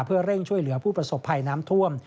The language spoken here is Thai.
เพื่อเร่งช่วยเหลือผู้ประสบภัยน้ำท่วม